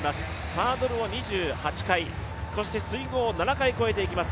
ハードルを２８回、そして水濠を７回越えていきます。